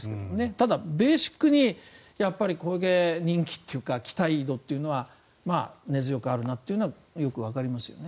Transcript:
ただ、ベーシックに小池人気っていうか期待度っていうのは根強くあるなというのはよくわかりますよね。